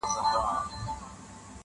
دوه پاچایان پر یو تخت نه ځايېږي -